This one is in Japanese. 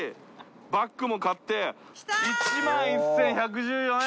バッグも買って１１，１１４円。